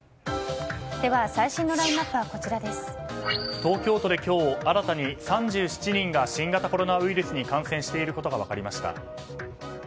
東京都で今日新たに３７人が新型コロナウイルスに感染していることが分かりました。